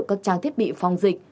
các trang thiết bị phong dịch